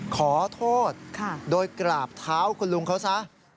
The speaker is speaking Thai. ขอโทษโดยกราบเท้าคุณลุงเขาซะ